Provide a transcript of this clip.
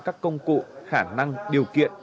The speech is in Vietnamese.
các công cụ khả năng điều kiện